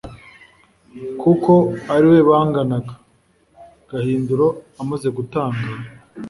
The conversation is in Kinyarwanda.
kuko ariwe banganaga. gahindiro amaze gutanga